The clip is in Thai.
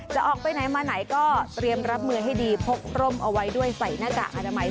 จะออกไปไหนมาไหนก็เตรียมรับมือให้ดี